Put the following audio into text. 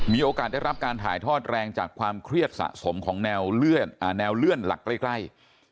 มีโอกาสได้รับการถ่ายทอดแรงจากความเครียดสะสมของแนวเลื่อนหลักใกล้